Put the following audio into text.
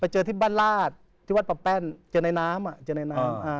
เจอที่บ้านราชที่วัดปะแป้นเจอในน้ำเจอในน้ำ